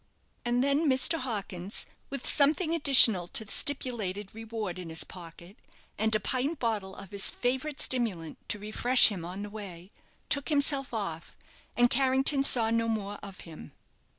And then Mr. Hawkins, with something additional to the stipulated reward in his pocket, and a pint bottle of his favourite stimulant to refresh him on the way, took himself off, and Carrington saw no more of him.